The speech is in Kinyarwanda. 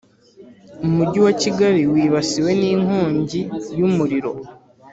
Umujyi wa Kigali wibasiwe n’ inkonjyi y’umuriro